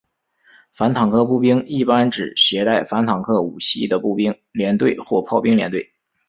反坦克步兵一般指携带反坦克武器的步兵连队或炮兵连队。